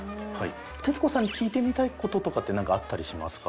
徹子さんに聞いてみたい事とかってなんかあったりしますか？